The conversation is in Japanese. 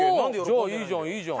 じゃあいいじゃんいいじゃん。